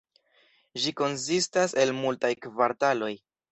Ĝi konsistas el multaj kvartaloj.